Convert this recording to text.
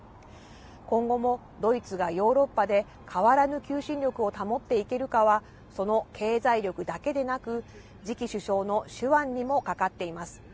今後もドイツがヨーロッパで、変わらぬ求心力を保っていけるかは、その経済力だけでなく、次期首相の手腕にもかかっています。